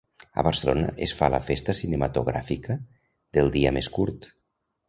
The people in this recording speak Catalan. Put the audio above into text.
A Barcelona es fa la festa cinematogràfica del “Dia més Curt”.